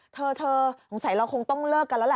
เธอสงสัยเราคงต้องเลิกกันแล้วล่ะ